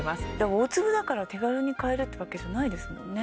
大粒だから手軽に買えるってわけじゃないですもんね